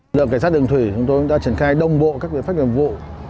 phòng cảnh sát giao thông đường thủy đã triển khai đông bộ các phát nghiệm vụ